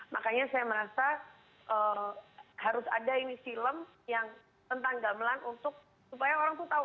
makanya saya merasa harus ada ini film yang tentang gamelan untuk supaya orang tuh tahu